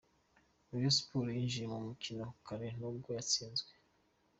Rayon Sports yinjiye mu mukino kare nubwo yatsinzwe.